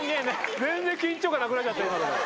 全然緊張感なくなっちゃったよ、今ので。